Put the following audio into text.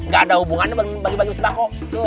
gak ada hubungannya bagi bagi sembako